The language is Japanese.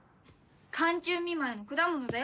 寒中見舞いの果物だよ。